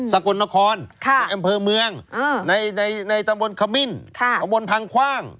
กลนครในอำเภอเมืองในตำบลขมิ้นตำบลพังคว่าง